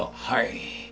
はい。